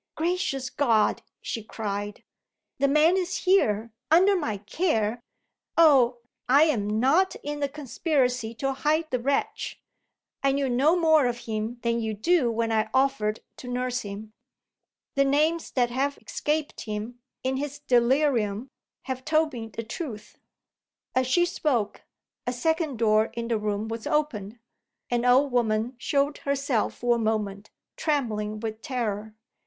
"Gracious God!" she cried, "the man is here under my care. Oh, I am not in the conspiracy to hide the wretch! I knew no more of him than you do when I offered to nurse him. The names that have escaped him, in his delirium, have told me the truth." As she spoke, a second door in the room was opened. An old woman showed herself for a moment, trembling with terror.